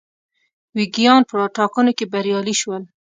ویګیان په ټاکنو کې بریالي شول.